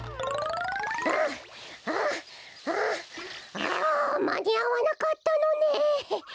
あまにあわなかったのね。